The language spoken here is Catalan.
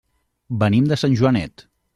Venim de Sant Joanet.